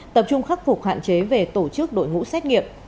tập trung khắc phục hạn chế về tổ chức đội ngũ xét nghiệm